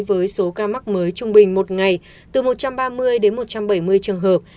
với số ca mắc mới trung bình một ngày từ một trăm ba mươi đến một trăm bảy mươi trường hợp